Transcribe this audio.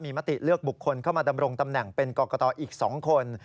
มีมติเลือกบุคคลเข้ามาดำรงตำแหน่งเป็นกรกตอีก๒คน